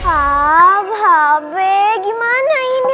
ah babe gimana ini